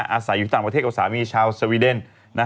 อาศัยอยู่ต่างประเทศกับสามีชาวสวีเดน